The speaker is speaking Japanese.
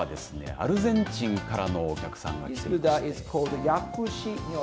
アルゼンチンからのお客さんもいらっしゃいました。